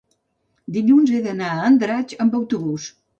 Dilluns he d'anar a Andratx amb autobús.